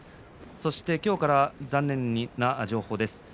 そして今日から残念な情報です。